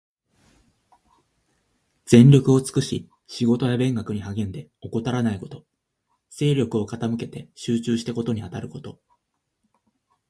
全力を尽くし仕事や勉学に励んで、怠らないこと。精力を傾けて集中して事にあたること。